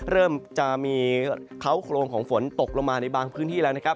เริ่มจะมีเขาโครงของฝนตกลงมาในบางพื้นที่แล้วนะครับ